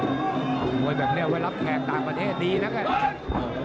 มวยแบบนี้ไว้รับแขกต่างประเทศดีนะกัน